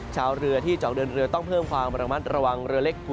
ชาวเรือที่จะออกเดินเรือต้องเพิ่มความระมัดระวังเรือเล็กภู